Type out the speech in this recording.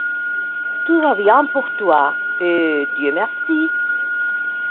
Tout va bien pour toi, et, Dieu merci !